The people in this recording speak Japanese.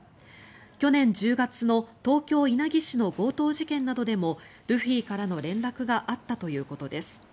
去年１０月の東京・稲城市の強盗事件などでもルフィからの連絡があったということです。